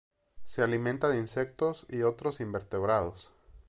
Se alimenta de insectos y otros invertebrados.